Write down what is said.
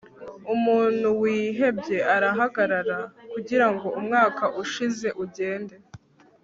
umuntu wihebye arahagarara kugira ngo umwaka ushize ugende